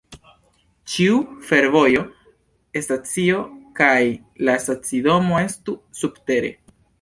Ĉiu fervojo, stacioj kaj la stacidomo estu subtere.